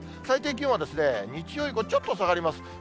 最低気温は日曜以降、ちょっと下がります。